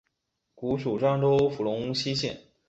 古属漳州府龙溪县。